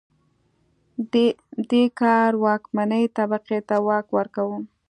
دې کار واکمنې طبقې ته واک ورکاوه